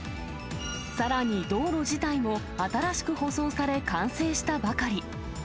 さらに道路自体も新しく舗装され完成したばかり。